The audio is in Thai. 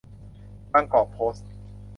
บางกอก โพสต์